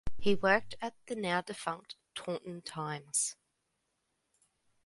He first worked at the now defunct "Taunton Times".